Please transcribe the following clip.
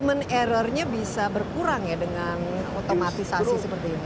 dan errornya bisa berkurang ya dengan otomatisasi seperti ini